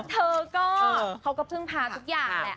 เธอก็เขาก็พึ่งพาทุกอย่างแหละ